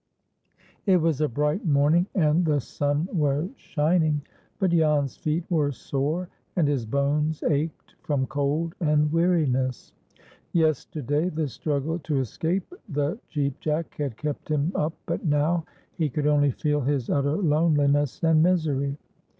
It was a bright morning, and the sun was shining; but Jan's feet were sore, and his bones ached from cold and weariness. Yesterday the struggle to escape the Cheap Jack had kept him up, but now he could only feel his utter loneliness and misery.